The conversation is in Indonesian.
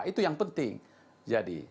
itu yang penting jadi